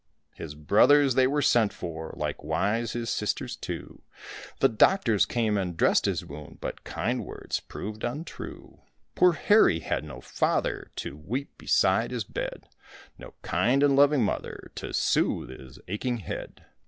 His brothers they were sent for, likewise his sisters too, The doctors came and dressed his wound, but kind words proved untrue. Poor Harry had no father to weep beside his bed, No kind and loving mother to sooth his aching head.